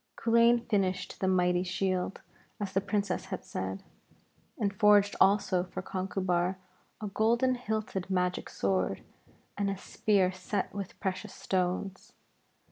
Culain finished the mighty shield as the Princess had said, and forged also for Conchubar a golden hilted magic sword, and a spear set with precious stones.